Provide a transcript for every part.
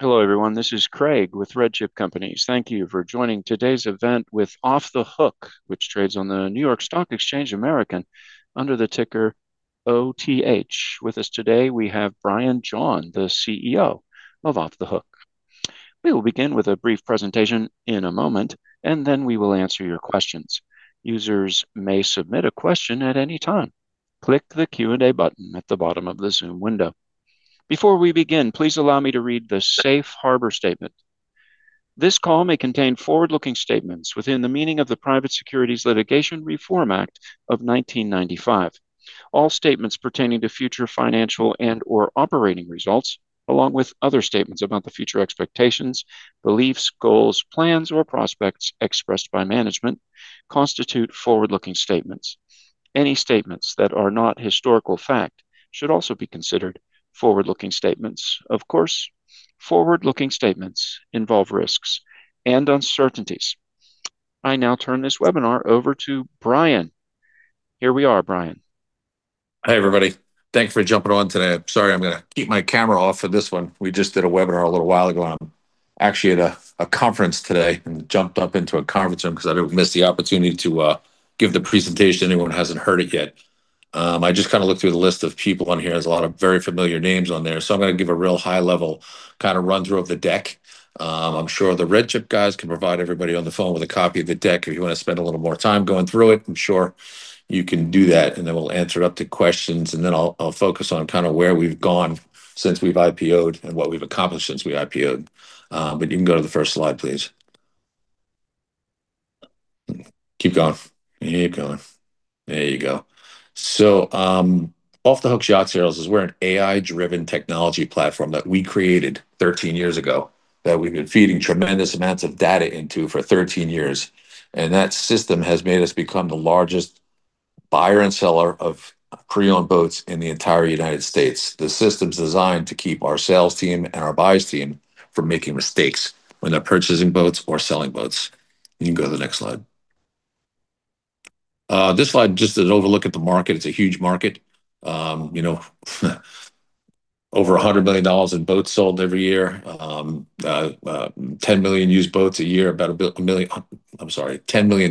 Hello, everyone. This is Craig with RedChip Companies. Thank you for joining today's event with Off The Hook, which trades on the NYSE American under the ticker OTH. With us today, we have Brian John, the CEO of Off The Hook. We will begin with a brief presentation in a moment, and then we will answer your questions. Users may submit a question at any time. Click the Q&A button at the bottom of the Zoom window. Before we begin, please allow me to read the safe harbor statement. "This call may contain forward-looking statements within the meaning of the Private Securities Litigation Reform Act of 1995. All statements pertaining to future financial and/or operating results, along with other statements about the future expectations, beliefs, goals, plans, or prospects expressed by management, constitute forward-looking statements. Any statements that are not historical fact should also be considered forward-looking statements. Of course, forward-looking statements involve risks and uncertainties. I now turn this webinar over to Brian. Here we are, Brian. Hi, everybody. Thanks for jumping on today. Sorry, I'm gonna keep my camera off for this one. We just did a webinar a little while ago. I'm actually at a conference today and jumped up into a conference room 'cause I didn't miss the opportunity to give the presentation to anyone who hasn't heard it yet. I just kinda looked through the list of people on here. There's a lot of very familiar names on there, so I'm gonna give a real high-level kinda run-through of the deck. I'm sure the RedChip guys can provide everybody on the phone with a copy of the deck. If you wanna spend a little more time going through it, I'm sure you can do that, and then we'll answer any questions, and then I'll focus on kinda where we've gone since we've IPO'd and what we've accomplished since we IPO'd. You can go to the first slide, please. Keep going. Keep going. There you go. Off The Hook Yacht Sales. We're an AI-driven technology platform that we created 13 years ago that we've been feeding tremendous amounts of data into for 13 years, and that system has made us become the largest buyer and seller of pre-owned boats in the entire United States. The system's designed to keep our sales team and our buyers team from making mistakes when they're purchasing boats or selling boats. You can go to the next slide. This slide is just an overview of the market. It's a huge market. You know, over $100 million in boats sold every year. Ten million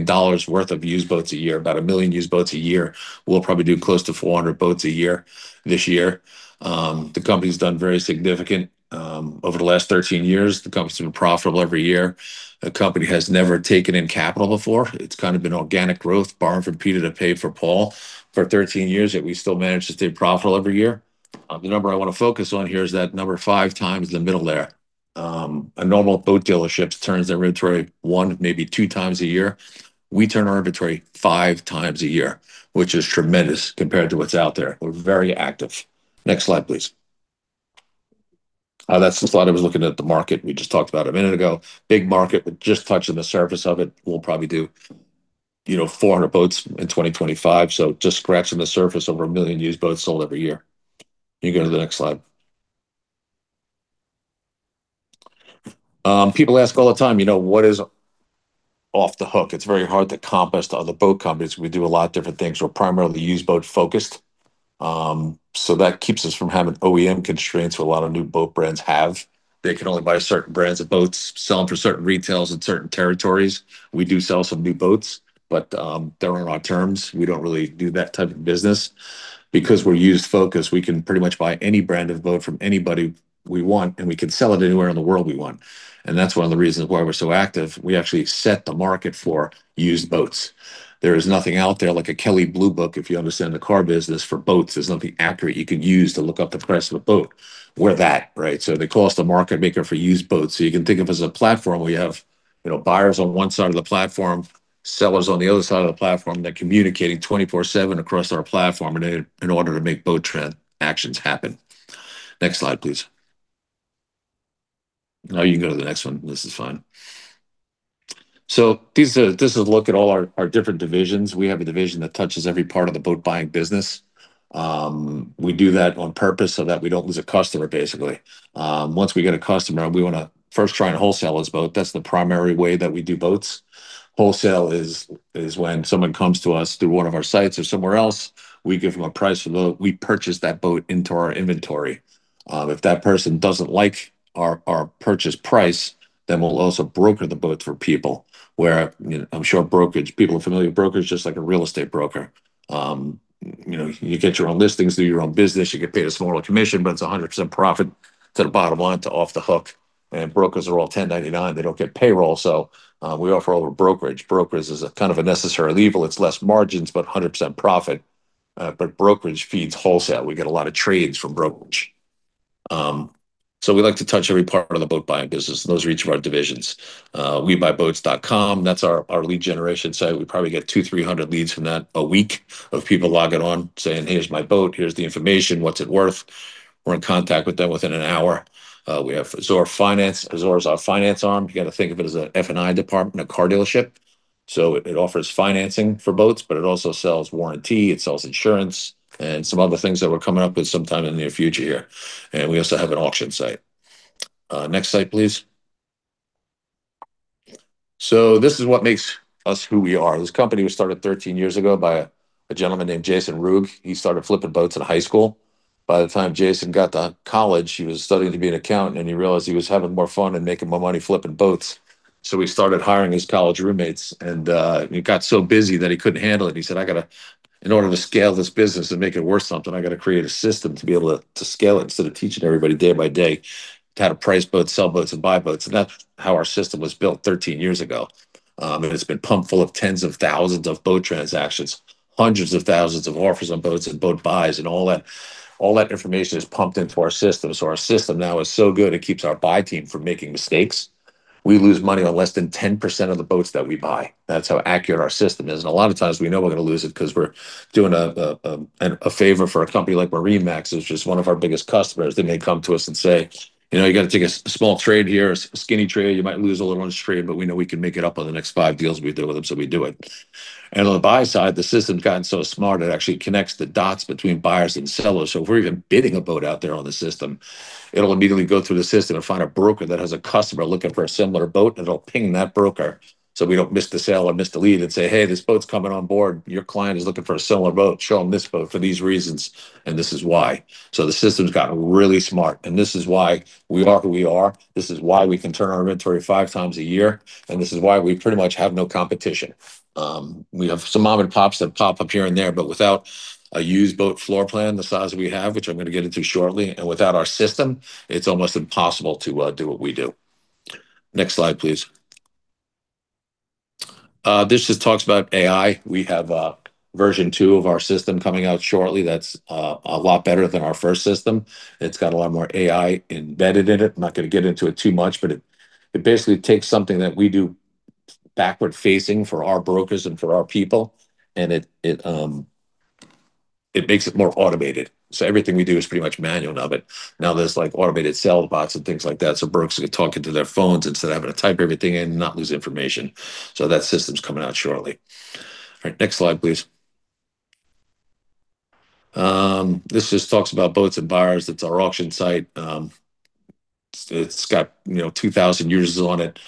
dollars worth of used boats a year, about 1 million used boats a year. We'll probably do close to 400 boats a year this year. The company's done very significant over the last 13 years. The company's been profitable every year. The company has never taken in capital before. It's kind of been organic growth, borrowing from Peter to pay for Paul for 13 years, yet we still manage to stay profitable every year. The number I wanna focus on here is that number five times the middle there. A normal boat dealership turns their inventory one, maybe two times a year. We turn our inventory five times a year, which is tremendous compared to what's out there. We're very active. Next slide, please. That's the slide I was looking at the market we just talked about a minute ago. Big market. We're just touching the surface of it. We'll probably do, you know, 400 boats in 2025, so just scratching the surface. Over 1 million used boats sold every year. You can go to the next slide. People ask all the time, you know, "What is Off The Hook?" It's very hard to compare us to other boat companies. We do a lot of different things. We're primarily used boat-focused, so that keeps us from having OEM constraints a lot of new boat brands have. They can only buy certain brands of boats, sell 'em for certain retails in certain territories. We do sell some new boats, but they're on our terms. We don't really do that type of business. Because we're used-focused, we can pretty much buy any brand of boat from anybody we want, and we can sell it anywhere in the world we want, and that's one of the reasons why we're so active. We actually set the market for used boats. There is nothing out there like a Kelley Blue Book if you ever sell in the car business for boats. There's nothing accurate you can use to look up the price of a boat. We're that, right? So they call us the market maker for used boats. So you can think of us as a platform. We have, you know, buyers on one side of the platform, sellers on the other side of the platform. They're communicating 24/7 across our platform in order to make boat transactions happen. Next slide, please. No, you can go to the next one. This is fine. This is a look at all our different divisions. We have a division that touches every part of the boat-buying business. We do that on purpose so that we don't lose a customer, basically. Once we get a customer, we wanna first try and wholesale his boat. That's the primary way that we do boats. Wholesale is when someone comes to us through one of our sites or somewhere else, we give them a price for the boat. We purchase that boat into our inventory. If that person doesn't like our purchase price, then we'll also broker the boat for people, where, you know, I'm sure brokerage people are familiar with brokerage, just like a real estate broker. You know, you get your own listings through your own business. You get paid a smaller commission, but it's 100% profit to the bottom line to Off The Hook. Brokers are all 1099. They don't get payroll, so we offer all the brokerage. Brokerage is a kind of a necessary evil. It's less margins, but 100% profit. Brokerage feeds wholesale. We get a lot of trades from brokerage. We like to touch every part of the boat-buying business, and those are each of our divisions. webuyboats.com, that's our lead generation site. We probably get 200-300 leads from that a week of people logging on saying, "Here's my boat. Here's the information. What's it worth?" We're in contact with them within an hour. We have Azure Funding. Azure is our finance arm. You gotta think of it as a F&I department, a car dealership. It offers financing for boats, but it also sells warranty, it sells insurance, and some other things that we're coming up with sometime in the near future here. We also have an auction site. Next slide, please. This is what makes us who we are. This company was started 13 years ago by a gentleman named Jason Ruegg. He started flipping boats in high school. By the time Jason got to college, he was studying to be an accountant, and he realized he was having more fun and making more money flipping boats. He started hiring his college roommates, and he got so busy that he couldn't handle it. He said, "In order to scale this business and make it worth something, I gotta create a system to be able to scale it instead of teaching everybody day by day how to price boats, sell boats, and buy boats." That's how our system was built 13 years ago. And it's been pumped full of tens of thousands of boat transactions, hundreds of thousands of offers on boats and boat buys and all that information is pumped into our system. Our system now is so good it keeps our buy team from making mistakes. We lose money on less than 10% of the boats that we buy. That's how accurate our system is. A lot of times we know we're gonna lose it 'cause we're doing a favor for a company like RE/MAX, which is one of our biggest customers. They come to us and say, "You know, you gotta take a small trade here, a skinny trade. You might lose a little on this trade," but we know we can make it up on the next five deals we do with them, so we do it. On the buy side, the system's gotten so smart, it actually connects the dots between buyers and sellers. If we're even bidding a boat out there on the system, it'll immediately go through the system and find a broker that has a customer looking for a similar boat, and it'll ping that broker, so we don't miss the sale or miss the lead and say, "Hey, this boat's coming on board. Your client is looking for a similar boat. Show them this boat for these reasons, and this is why." The system's gotten really smart, and this is why we are who we are. This is why we can turn our inventory five times a year, and this is why we pretty much have no competition. We have some mom and pops that pop up here and there, but without a used boat floor plan the size we have, which I'm gonna get into shortly, and without our system, it's almost impossible to do what we do. Next slide, please. This just talks about AI. We have version two of our system coming out shortly that's a lot better than our first system. It's got a lot more AI embedded in it. I'm not gonna get into it too much, but it makes it more automated. Everything we do is pretty much manual now, but now there's, like, automated sell bots and things like that, so brokers can talk into their phones instead of having to type everything in and not lose information. That system's coming out shortly. All right. Next slide, please. This just talks about Boats N' Buyers. It's our auction site. It's got, you know, 2,000 users on it.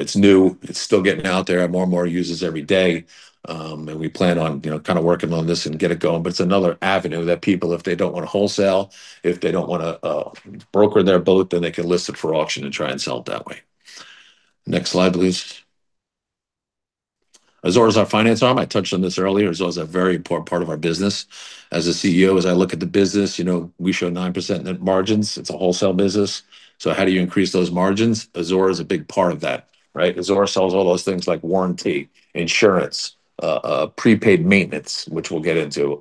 It's new. It's still getting out there and more and more users every day. We plan on, you know, kind of working on this and get it going. It's another avenue that people, if they don't wanna wholesale, if they don't wanna broker their boat, then they can list it for auction and try and sell it that way. Next slide, please. Azure is our finance arm. I touched on this earlier. Azure is a very important part of our business. As a CEO, as I look at the business, you know, we show 9% net margins. It's a wholesale business. How do you increase those margins? Azure is a big part of that, right? Azure sells all those things like warranty, insurance, prepaid maintenance, which we'll get into,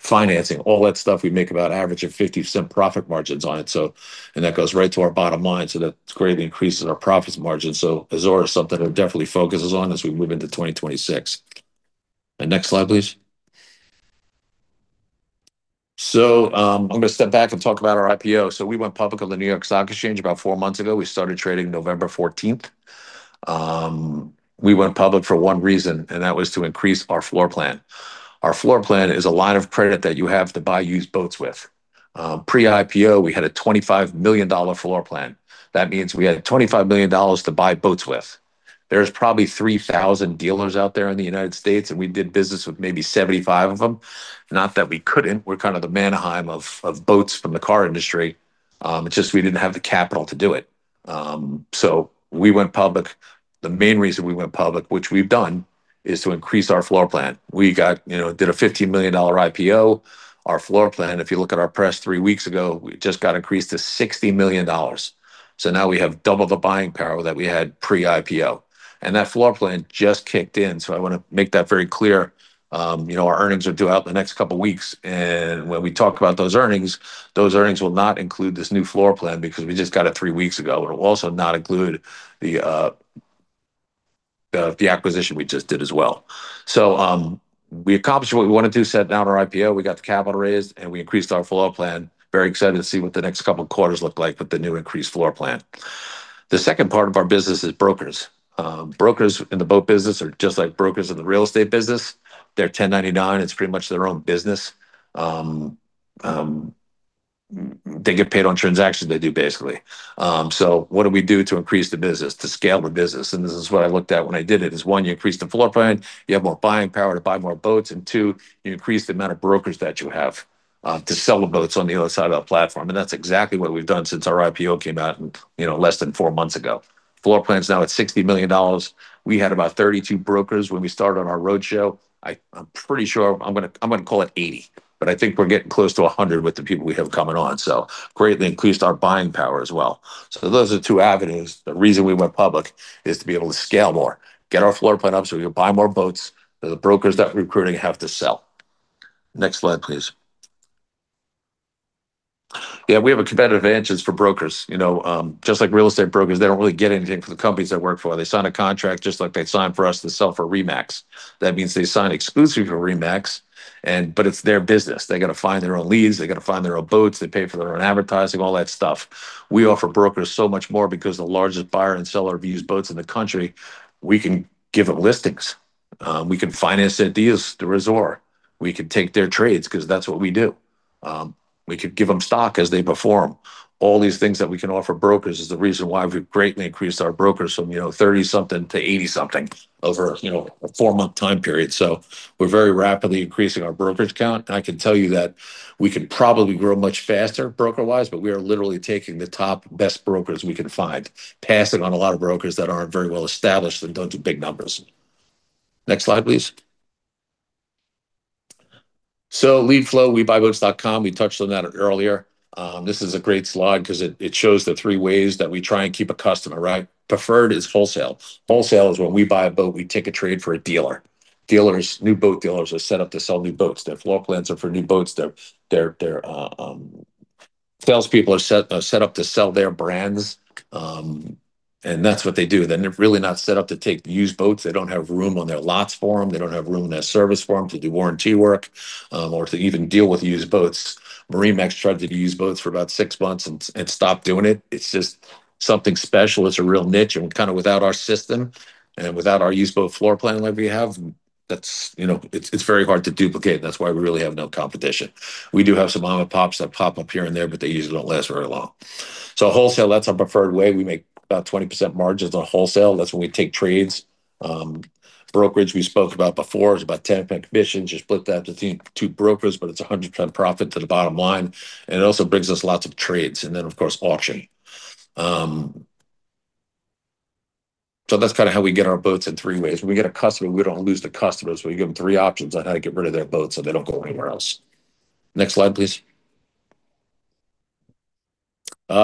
financing, all that stuff. We make about average of $0.50 profit margins on it, and that goes right to our bottom line, so that greatly increases our profit margin. Azure is something that definitely focuses on as we move into 2026. Next slide, please. I'm gonna step back and talk about our IPO. We went public on the New York Stock Exchange about four months ago. We started trading November 14th. We went public for one reason, and that was to increase our floor plan. Our floor plan is a line of credit that you have to buy used boats with. Pre-IPO, we had a $25 million floor plan. That means we had $25 million to buy boats with. There's probably 3,000 dealers out there in the United States, and we did business with maybe 75 of them. Not that we couldn't. We're kind of the Manheim of boats from the car industry. It's just we didn't have the capital to do it. We went public. The main reason we went public, which we've done, is to increase our floor plan. We, you know, did a $50 million IPO. Our floor plan, if you look at our press three weeks ago, it just got increased to $60 million. Now we have double the buying power that we had pre-IPO. That floor plan just kicked in, so I wanna make that very clear. You know, our earnings are due out in the next couple weeks. When we talk about those earnings, those earnings will not include this new floor plan because we just got it three weeks ago, and it will also not include the acquisition we just did as well. We accomplished what we wanted to set out for our IPO. We got the capital raised, and we increased our floor plan. Very excited to see what the next couple quarters look like with the new increased floor plan. The second part of our business is brokers. Brokers in the boat business are just like brokers in the real estate business. They're 1099. It's pretty much their own business. They get paid on transactions they do, basically. What do we do to increase the business, to scale the business? This is what I looked at when I did it, is, one, you increase the floor plan, you have more buying power to buy more boats, and two, you increase the amount of brokers that you have, to sell the boats on the other side of that platform. That's exactly what we've done since our IPO came out, you know, less than four months ago. Floor plan's now at $60 million. We had about 32 brokers when we started on our roadshow. I'm pretty sure I'm gonna call it 80, but I think we're getting close to 100 with the people we have coming on. Greatly increased our buying power as well. Those are the two avenues. The reason we went public is to be able to scale more, get our floor plan up so we can buy more boats that the brokers that we're recruiting have to sell. Next slide, please. Yeah, we have a competitive advantage for brokers. You know, just like real estate brokers, they don't really get anything from the companies they work for. They sign a contract just like they'd sign for us to sell for RE/MAX. That means they sign exclusive for RE/MAX but it's their business. They gotta find their own leads. They gotta find their own boats. They pay for their own advertising, all that stuff. We offer brokers so much more because the largest buyer and seller of used boats in the country, we can give them listings. We can finance their deals through Azure. We can take their trades 'cause that's what we do. We could give them stock as they perform. All these things that we can offer brokers is the reason why we've greatly increased our brokers from, you know, 30-something to 80-something over, you know, a four-month time period. We're very rapidly increasing our brokerage count. I can tell you that we could probably grow much faster broker-wise, but we are literally taking the top best brokers we can find, passing on a lot of brokers that aren't very well established and don't do big numbers. Next slide, please. Lead flow, webuyboats.com, we touched on that earlier. This is a great slide 'cause it shows the three ways that we try and keep a customer, right? Preferred is wholesale. Wholesale is when we buy a boat, we take a trade for a dealer. New boat dealers are set up to sell new boats. They have floor plans for new boats. Their salespeople are set up to sell their brands, and that's what they do. They're really not set up to take used boats. They don't have room on their lots for them. They don't have room in their service for them to do warranty work, or to even deal with used boats. MarineMax tried to do used boats for about six months and stopped doing it. It's just something special. It's a real niche and kind of without our system and without our used boat floor plan like we have, that's, it's very hard to duplicate. That's why we really have no competition. We do have some mom-and-pops that pop up here and there, but they usually don't last very long. Wholesale, that's our preferred way. We make about 20% margins on wholesale. That's when we take trades. Brokerage, we spoke about before. It's about 10% commission. Just split that between two brokers, but it's 100% profit to the bottom line. It also brings us lots of trades and then of course, auction. That's kinda how we get our boats in three ways. When we get a customer, we don't lose the customers. We give them three options on how to get rid of their boats, so they don't go anywhere else. Next slide, please.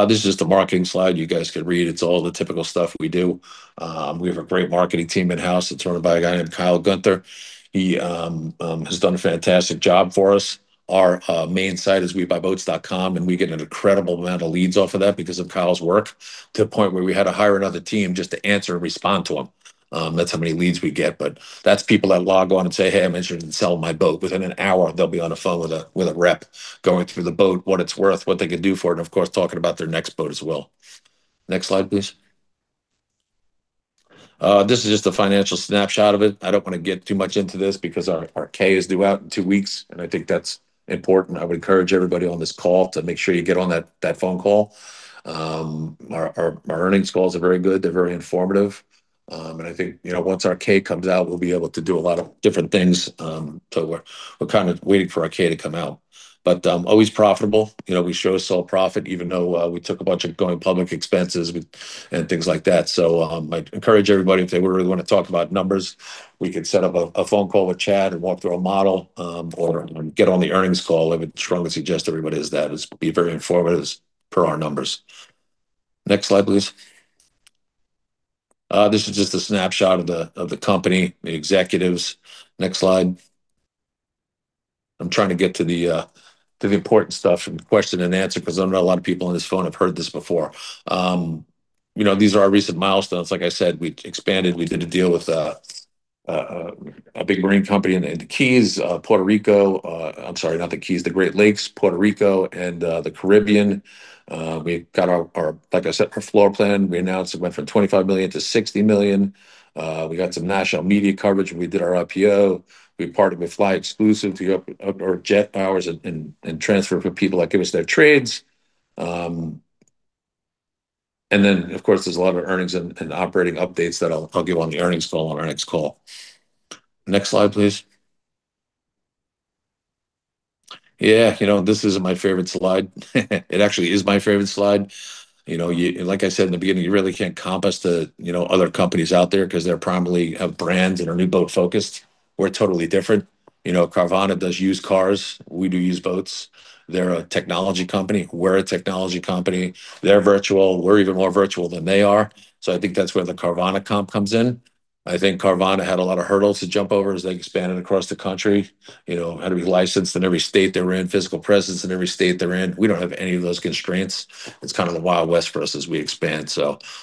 This is just the marketing slide you guys could read. It's all the typical stuff we do. We have a great marketing team in-house that's run by a guy named Kyle Gunther. He has done a fantastic job for us. Our main site is webuyboats.com, and we get an incredible amount of leads off of that because of Kyle's work, to a point where we had to hire another team just to answer and respond to him. That's how many leads we get. That's people that log on and say, "Hey, I'm interested in selling my boat." Within an hour, they'll be on the phone with a rep going through the boat, what it's worth, what they could do for it, and of course, talking about their next boat as well. Next slide, please. This is just a financial snapshot of it. I don't wanna get too much into this because our K is due out in two weeks, and I think that's important. I would encourage everybody on this call to make sure you get on that phone call. Our earnings calls are very good. They're very informative. I think, you know, once our K comes out, we'll be able to do a lot of different things. We're kind of waiting for our K to come out. Always profitable. You know, we show solid profit, even though we took a bunch of going public expenses and things like that. I'd encourage everybody if they really wanna talk about numbers, we could set up a phone call with Chad and walk through a model, or get on the earnings call. I would strongly suggest everybody does that. It'll be very informative for our numbers. Next slide, please. This is just a snapshot of the company, the executives. Next slide. I'm trying to get to the important stuff and question and answer 'cause I know a lot of people on this phone have heard this before. You know, these are our recent milestones. Like I said, we expanded. We did a deal with a big marine company in the Keys, Puerto Rico. I'm sorry, not the Keys, the Great Lakes, Puerto Rico, and the Caribbean. We got our floor plan, like I said. We announced it went from $25 million-$60 million. We got some national media coverage. We did our IPO. We partnered with flyExclusive to up our jet hours and transfer for people that give us their trades. Of course, there's a lot of earnings and operating updates that I'll give on the earnings call on our next call. Next slide, please. Yeah, you know, this isn't my favorite slide. It actually is my favorite slide. You know, like I said in the beginning, you really can't comp us to the other companies out there 'cause they're primarily brands and are new-boat-focused. We're totally different. You know, Carvana does used cars. We do used boats. They're a technology company. We're a technology company. They're virtual. We're even more virtual than they are. I think that's where the Carvana comp comes in. I think Carvana had a lot of hurdles to jump over as they expanded across the country. You know, had to be licensed in every state they were in, physical presence in every state they're in. We don't have any of those constraints. It's kind of the Wild West for us as we expand.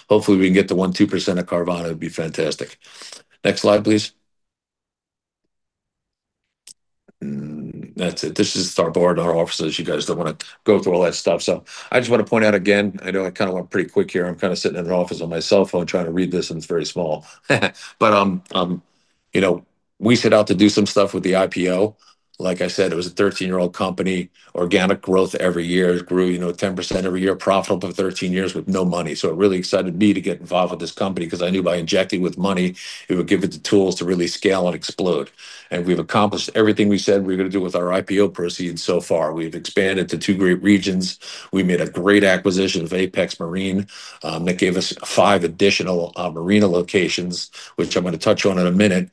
Hopefully, we can get to 1%-2% of Carvana. It'd be fantastic. Next slide, please. That's it. This is our board, our officers. You guys don't wanna go through all that stuff. I just wanna point out again, I know I kind of went pretty quick here. I'm kind of sitting in an office on my cell phone trying to read this, and it's very small. You know, we set out to do some stuff with the IPO. Like I said, it was a 13-year-old company. Organic growth every year. It grew, you know, 10% every year, profitable for 13 years with no money. It really excited me to get involved with this company 'cause I knew by injecting with money, it would give it the tools to really scale and explode. We've accomplished everything we said we're gonna do with our IPO proceeds so far. We've expanded to two great regions. We made a great acquisition of Apex Marine that gave us five additional marina locations, which I'm gonna touch on in a minute.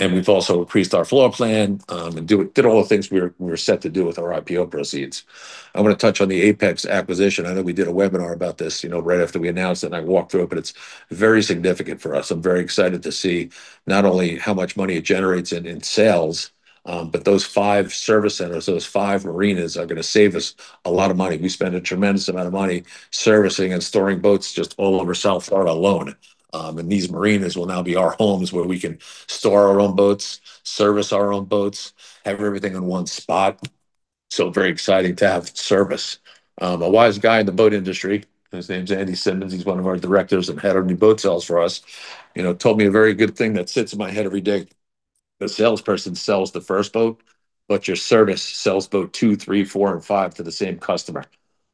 We've also increased our floor plan and did all the things we're set to do with our IPO proceeds. I wanna touch on the Apex acquisition. I know we did a webinar about this, you know, right after we announced it, and I walked through it, but it's very significant for us. I'm very excited to see not only how much money it generates in sales, but those five service centers, those five marinas are gonna save us a lot of money. We spend a tremendous amount of money servicing and storing boats just all over South Florida alone. These marinas will now be our homes where we can store our own boats, service our own boats, have everything in one spot. Very exciting to have service. A wise guy in the boat industry, his name's Andrew Simmons, he's one of our directors and head of new boat sales for us, you know, told me a very good thing that sits in my head every day. The salesperson sells the first boat, but your service sells boat two, three, four and five to the same customer."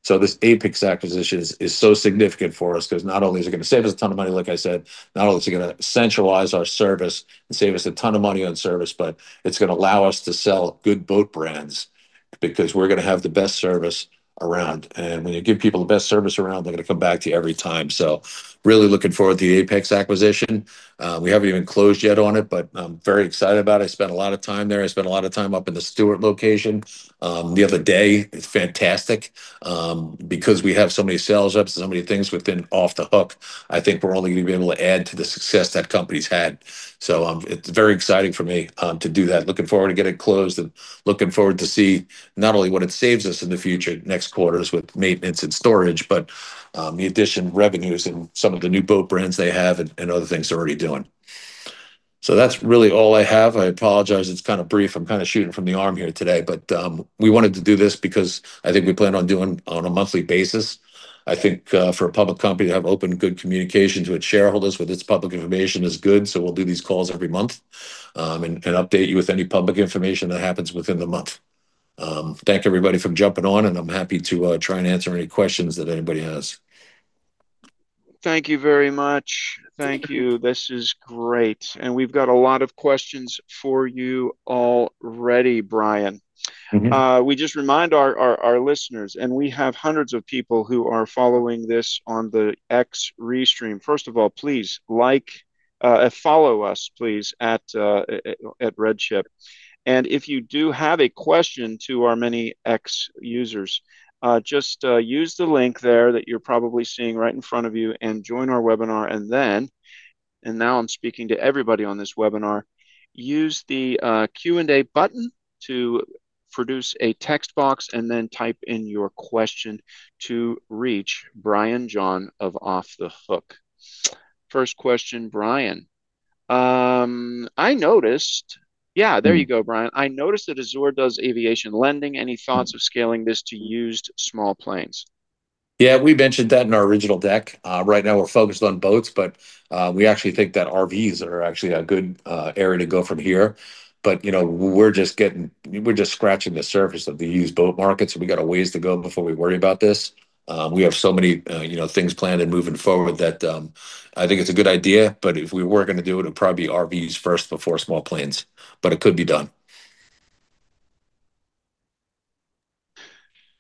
This Apex acquisition is so significant for us 'cause not only is it gonna save us a ton of money, like I said, not only is it gonna centralize our service and save us a ton of money on service, but it's gonna allow us to sell good boat brands because we're gonna have the best service around. When you give people the best service around, they're gonna come back to you every time. Really looking forward to the Apex acquisition. We haven't even closed yet on it, but I'm very excited about it. I spent a lot of time there. I spent a lot of time up in the Stuart location, the other day. It's fantastic. Because we have so many sales reps and so many things within Off The Hook, I think we're only gonna be able to add to the success that company's had. It's very exciting for me to do that. Looking forward to getting it closed and looking forward to see not only what it saves us in the future next quarters with maintenance and storage, but the additional revenues and some of the new boat brands they have and other things they're already doing. That's really all I have. I apologize it's kind of brief. I'm kind of shooting from the hip here today. We wanted to do this because I think we plan on doing on a monthly basis. I think, for a public company to have open, good communications with shareholders, with its public information is good, so we'll do these calls every month, and update you with any public information that happens within the month. Thank everybody for jumping on and I'm happy to try and answer any questions that anybody has. Thank you very much. Thank you. This is great. We've got a lot of questions for you already, Brian. Mm-hmm. We just remind our listeners, and we have hundreds of people who are following this on the X restream. First of all, please like, follow us please at RedChip. If you do have a question to our many X users, just use the link there that you're probably seeing right in front of you and join our webinar. Now I'm speaking to everybody on this webinar, use the Q&A button to produce a text box and then type in your question to reach Brian John of Off The Hook. First question, Brian. I noticed that Azure does aviation lending. Any thoughts of scaling this to used small planes? Yeah. We mentioned that in our original deck. Right now we're focused on boats, but we actually think that RVs are actually a good area to go from here. You know, we're just scratching the surface of the used boat market, so we got a ways to go before we worry about this. We have so many you know things planned and moving forward that I think it's a good idea, but if we were gonna do it'd probably be RVs first before small planes. It could be done.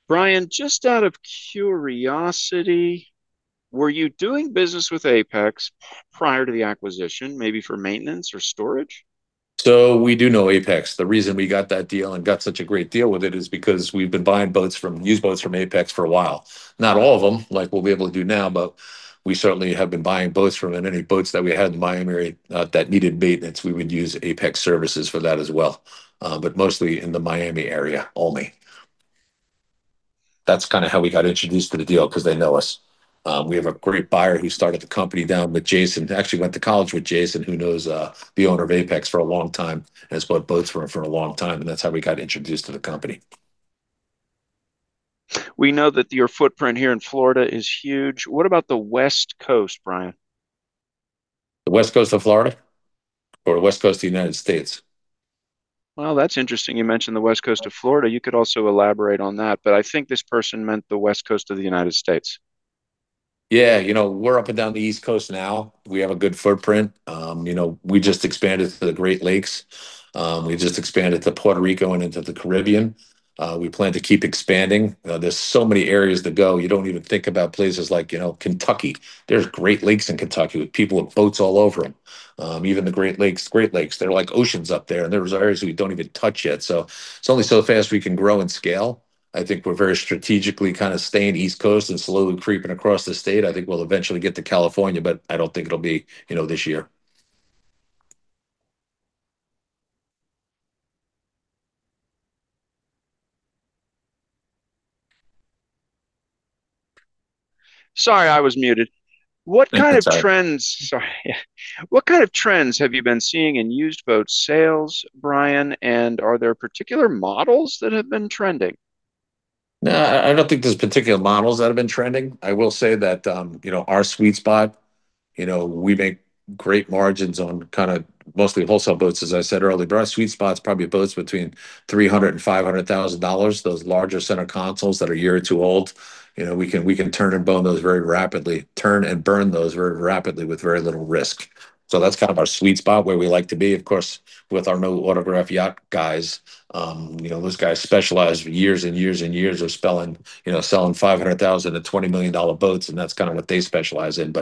Brian, just out of curiosity, were you doing business with Apex prior to the acquisition, maybe for maintenance or storage? We do know Apex. The reason we got that deal and got such a great deal with it is because we've been buying boats from, used boats from Apex for a while. Not all of them like we'll be able to do now, but we certainly have been buying boats from them. Any boats that we had in the Miami area, that needed maintenance, we would use Apex services for that as well. But mostly in the Miami area only. That's kinda how we got introduced to the deal, 'cause they know us. We have a great buyer who started the company down with Jason. Actually went to college with Jason, who knows, the owner of Apex for a long time and has bought boats from him for a long time, and that's how we got introduced to the company. We know that your footprint here in Florida is huge. What about the West Coast, Brian? The West Coast of Florida or the West Coast of the United States? Well, that's interesting you mention the West Coast of Florida. You could also elaborate on that, but I think this person meant the West Coast of the United States. Yeah. You know, we're up and down the East Coast now. We have a good footprint. You know, we just expanded to the Great Lakes. We just expanded to Puerto Rico and into the Caribbean. We plan to keep expanding. There's so many areas to go. You don't even think about places like, you know, Kentucky. There's Great Lakes in Kentucky with people with boats all over them. Even the Great Lakes, they're like oceans up there, and there's areas we don't even touch yet. It's only so fast we can grow and scale. I think we're very strategically kinda staying East Coast and slowly creeping across the state. I think we'll eventually get to California, but I don't think it'll be, you know, this year. Sorry, I was muted. That's all right. What kind of trends have you been seeing in used boat sales, Brian? Are there particular models that have been trending? No, I don't think there's particular models that have been trending. I will say that, you know, our sweet spot, you know, we make great margins on kinda mostly wholesale boats, as I said earlier. Our sweet spot's probably boats between $300,000 and $500,000. Those larger center consoles that are a year or two old, you know, we can turn and burn those very rapidly with very little risk. That's kind of our sweet spot where we like to be. Of course, with our Autograph Yacht guys, you know, those guys specialize for years in selling $500,000-$20 million boats, and that's kinda what they specialize in.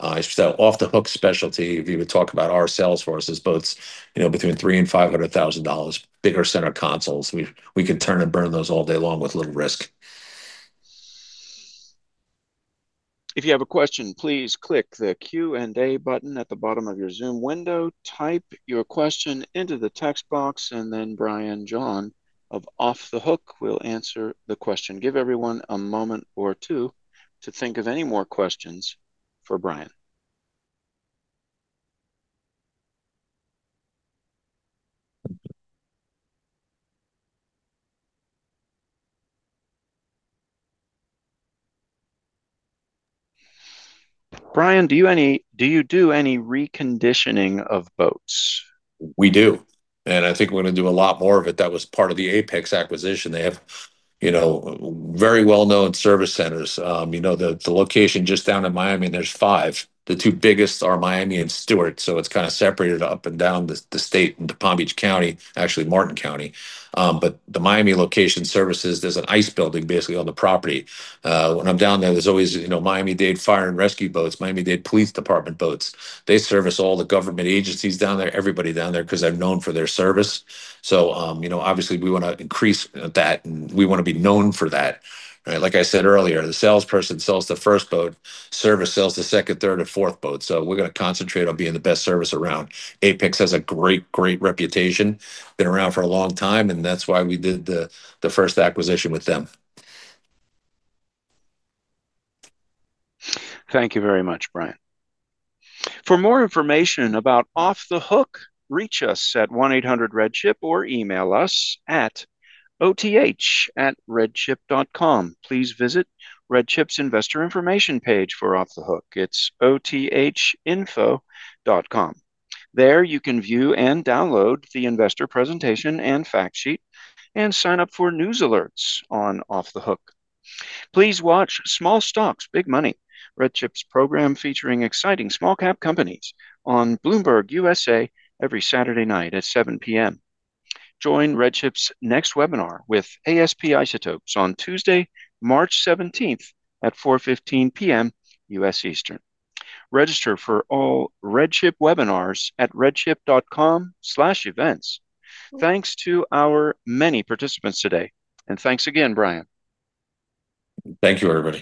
Off The Hook's specialty, if you would talk about our sales force, is boats, you know, between $300,000 and $500,000, bigger center consoles. We could turn and burn those all day long with little risk. If you have a question, please click the Q&A button at the bottom of your Zoom window. Type your question into the text box and then Brian John of Off The Hook will answer the question. Give everyone a moment or two to think of any more questions for Brian. Brian, do you do any reconditioning of boats? We do, and I think we're gonna do a lot more of it. That was part of the Apex acquisition. They have, you know, very well-known service centers. You know, the location just down in Miami, and there's five. The two biggest are Miami and Stuart, so it's kind of separated up and down the state into Palm Beach County, actually Martin County. The Miami location services, there's an ice building basically on the property. When I'm down there's always, you know, Miami-Dade Fire Rescue Department boats, Miami-Dade Police Department boats. They service all the government agencies down there, everybody down there, 'cause they're known for their service. Obviously we wanna increase that and we wanna be known for that, right? Like I said earlier, the salesperson sells the first boat, service sells the second, third, and fourth boat. We're gonna concentrate on being the best service around. Apex has a great reputation. Been around for a long time, and that's why we did the first acquisition with them. Thank you very much, Brian. For more information about Off The Hook, reach us at 1-800-REDCHIP or email us at oth@redchip.com. Please visit RedChip's investor information page for Off The Hook. It's othinfo.com. There you can view and download the investor presentation and fact sheet and sign up for news alerts on Off The Hook. Please watch Small Stocks, Big Money, RedChip's program featuring exciting small-cap companies on Bloomberg Television every Saturday night at 7:00 P.M. Join RedChip's next webinar with ASP Isotopes on Tuesday, March 17th at 4:15 P.M. U.S. Eastern. Register for all RedChip webinars at redchip.com/events. Thanks to our many participants today, and thanks again, Brian. Thank you, everybody.